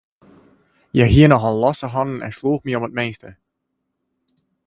Hja hie nochal losse hannen en sloech my om it minste.